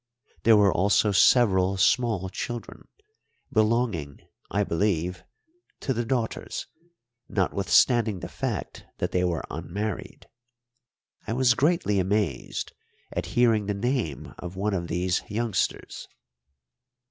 There were also several small children, belonging, I believe, to the daughters, notwithstanding the fact that they were unmarried. I was greatly amazed at hearing the name of one of these youngsters.